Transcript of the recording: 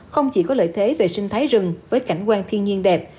không chỉ có lợi thế về sinh thái rừng với cảnh quan thiên nhiên đẹp